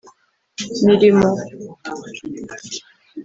Mirimo